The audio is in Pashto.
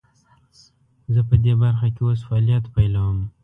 زه پدي برخه کې اوس فعالیت پیلوم.